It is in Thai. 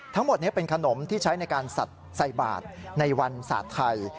ทั้งหมดนี้เป็นขนมที่ใช้ในการใส่บาทในวันศาสตร์ไทย